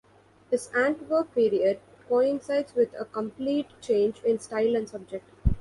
His Antwerp period coincides with a complete change in style and subject.